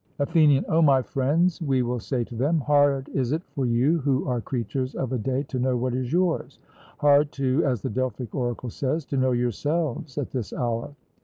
ATHENIAN: O my friends, we will say to them, hard is it for you, who are creatures of a day, to know what is yours hard too, as the Delphic oracle says, to know yourselves at this hour.